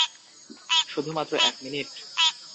শুধু মাত্র এক মিনিট?